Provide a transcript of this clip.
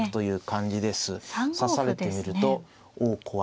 指されてみるとおお怖っという。